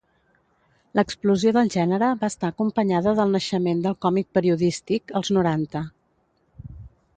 L'explosió del gènere va estar acompanyada del naixement del còmic periodístic, als noranta.